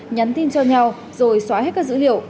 nhắn tin cho nhau rồi xóa hết các dữ liệu